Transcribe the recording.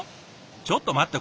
ちょっと待って？